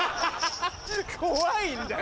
怖いんだよ！